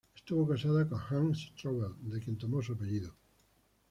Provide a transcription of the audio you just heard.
Estuvo casada con Hans Strobel, de quien tomó su apellido.